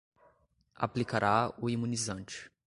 Aplicará o imunizante